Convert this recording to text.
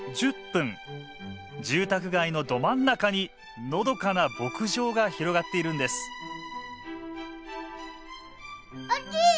住宅街のど真ん中にのどかな牧場が広がっているんですおっきい！